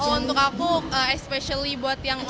oh untuk aku especially buat yang orang